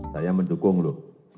saya mendukung lo